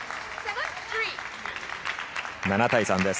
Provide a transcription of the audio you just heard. ７対３です。